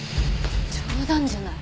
冗談じゃない。